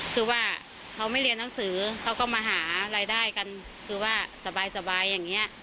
คือว่าเขาไม่เรียนหนังสือเขาก็มาหารายได้กันคือว่าสบายอย่างนี้